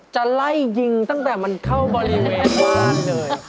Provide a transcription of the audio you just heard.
จะไล่ยิงตั้งแต่มันเข้าบริเวณบ้านเลย